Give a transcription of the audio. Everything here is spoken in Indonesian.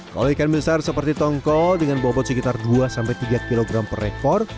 kalau ikan besar seperti tongkol dengan bobot sekitar dua tiga kg per ekor